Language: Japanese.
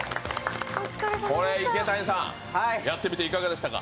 池谷さん、やってみていかがでしたか？